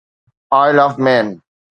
oil of main